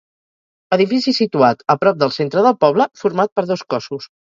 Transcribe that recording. Edifici situat a prop del centre del poble, format per dos cossos.